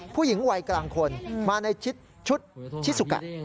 ผู้หญิงวัยกลางคนมาในชุดชิสุกะ